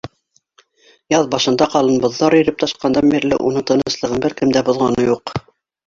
Яҙ башында ҡалын боҙҙар иреп ташҡандан бирле уның тыныслығын бер кем дә боҙғаны юҡ.